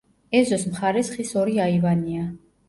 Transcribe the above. ეზოს მხარეს ხის ორი აივანია.